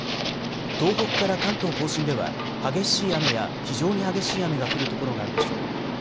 東北から関東甲信では激しい雨や非常に激しい雨が降る所があるでしょう。